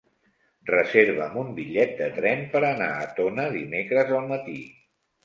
Reserva'm un bitllet de tren per anar a Tona dimecres al matí.